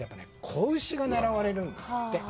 子牛が狙われるんですって。